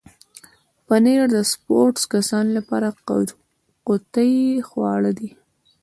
پنېر د سپورټس کسانو لپاره قوتي خواړه دي.